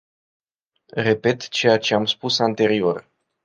Repet ceea ce am spus anterior.